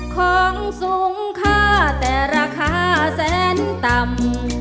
ของสูงค่าแต่ราคาแสนต่ำ